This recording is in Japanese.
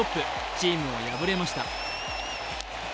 チームは敗れました。